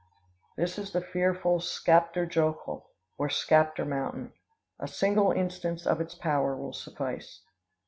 This is the fearful Skaptar Jokul, or Skaptar mountain. A single instance of its power will suffice.